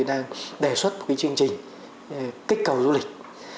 đang đề xuất một cái chương trình kích cầu du lịch